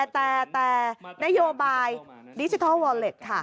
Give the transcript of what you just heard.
แต่นโยบายดิจิทัลวอลเล็ตค่ะ